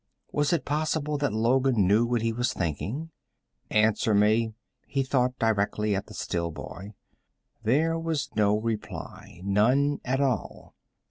Was it possible that Logan knew what he was thinking? Answer me, he thought, directly at the still boy. There was no reply, none at all.